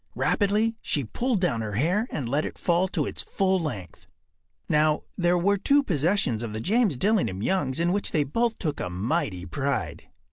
Rapidly she pulled down her hair and let it fall to its full length. Now, there were two possessions of the James Dillingham Youngs in which they both took a mighty pride.